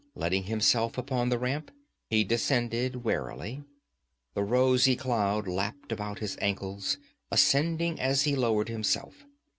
Letting himself upon the ramp, he descended warily. The rosy cloud lapped about his ankles, ascending as he lowered himself.